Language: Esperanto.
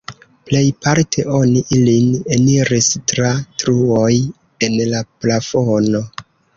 Plejparte oni ilin eniris tra truoj en la plafono.